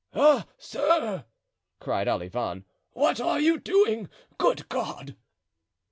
"Ah, sir!" cried Olivain, "what are you doing? Good God!"